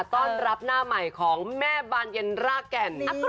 ต้อนรับหน้าใหม่ของแม่บานเย็นรากแก่น